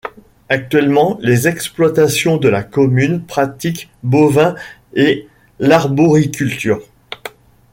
Actuellement, les exploitations de la commune pratiquent bovin et l’arboriculture.